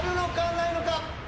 ないのか？